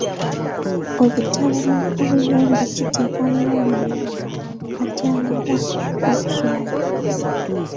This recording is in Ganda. Obutaba na kaabuyonjo kiteeka abawala mu katyabaga k'okuswala.